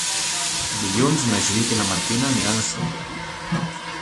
Dilluns na Judit i na Martina aniran a Súria.